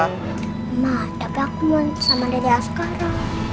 mama tapi aku mau nanti sama dede askara